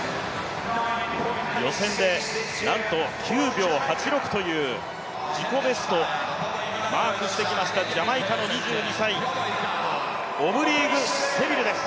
予選でなんと９秒８６という自己ベストをマークしてきましたジャマイカの２２歳、オブリーク・セビルです。